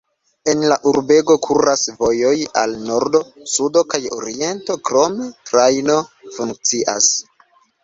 El la urbego kuras vojoj al nordo, sudo kaj oriento, krome trajno funkcias.